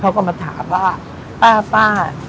เขาก็มาถามว่าป้าป้า